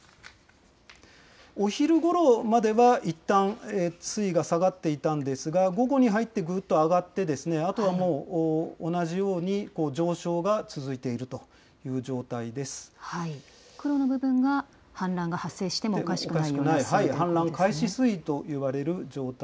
お昼ごろまでは、いったん水位が下がっていたんですが、午後に入ってぐっと上がって、あとはもう同じように上昇が続いているとい黒の部分が、氾濫が発生して氾濫開始水位といわれる状態